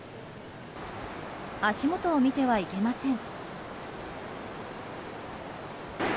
足元を見てはいけません。